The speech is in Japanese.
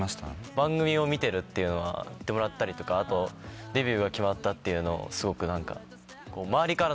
番組を見てるっていうのは言ってもらったりとかあとデビューが決まったっていうのをすごく何か。